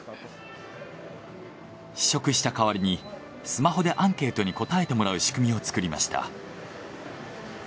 試食した代わりにスマホでアンケートに答えてもらう仕組みを作りました。